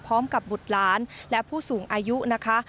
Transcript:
พร้อมกับบุตรหลานและผู้สูงอายุนะคะ